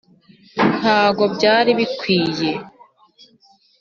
ntabwo byari bikwiye…